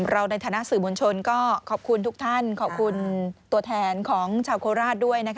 เราก็ขอบคุณทุกท่านขอบคุณตัวแทนของชาวโคราช